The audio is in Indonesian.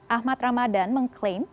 ahmad ramadan mengklaim